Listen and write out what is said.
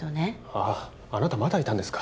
あっあなたまだいたんですか？